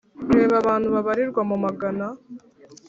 reba abantu babarirwa mu magana